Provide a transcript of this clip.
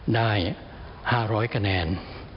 ได้๕๐๐คะแนน